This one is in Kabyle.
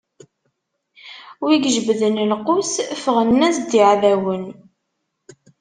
Wid ijebbden lqus ffɣen-as-d d iɛdawen.